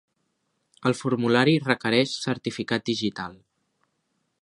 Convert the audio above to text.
El formulari requereix certificat digital.